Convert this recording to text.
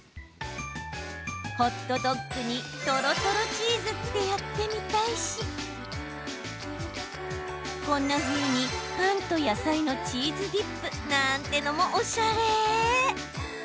ホットドッグにとろとろチーズってやってみたいしこんなふうにパンと野菜のチーズディップなんてのもおしゃれ。